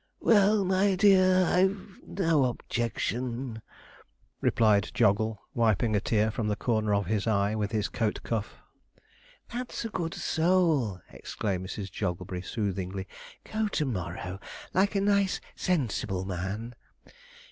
'Well, my dear, I've no objection,' replied Joggle, wiping a tear from the corner of his eye with his coat cuff. 'That's a good soul!' exclaimed Mrs. Jogglebury soothingly. 'Go to morrow, like a nice, sensible man.'